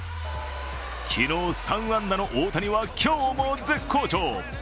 昨日３安打の大谷は今日も絶好調。